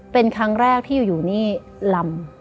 เป็นครั้งแรกที่อยู่นี่ลำ